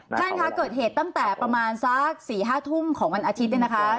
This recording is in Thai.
ท่านคะเกิดเหตุตั้งแต่ประมาณสัก๔๕ทุ่มของวันอาทิตย์เนี่ยนะคะ